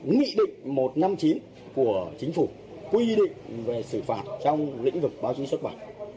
nghị định một trăm năm mươi chín của chính phủ quy định về xử phạt trong lĩnh vực báo chí xuất bản